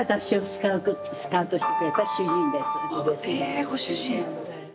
えご主人？